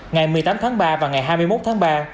ngày một mươi tám tháng ba và ngày hai mươi một tháng ba